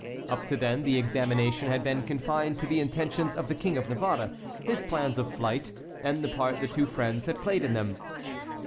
Up to then the examination had been confined to the intentions of the King of Navarre, his plans of flight, and the part the two friends had played in them.